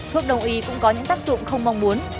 thuốc đông y cũng có những tác dụng không mong muốn